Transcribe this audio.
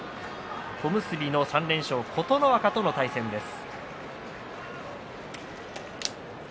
小結の３連勝琴ノ若との対戦です。